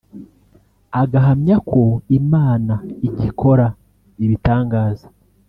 agahamya ko Imana igikora ibitangaza